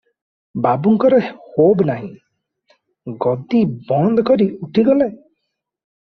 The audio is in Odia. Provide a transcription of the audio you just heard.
ବାବୁଙ୍କର ହୋବ ନାହିଁ, ଗଦି ବନ୍ଦ କରି ଉଠିଗଲେ ।